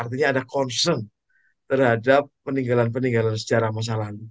artinya ada concern terhadap peninggalan peninggalan sejarah masa lalu